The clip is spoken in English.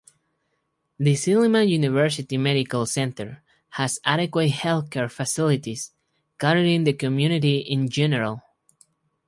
The Silliman University Medical Center has adequate healthcare facilities catering the community in general.